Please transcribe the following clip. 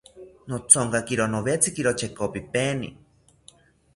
Nothonkakiro nowetziro chekopipaeni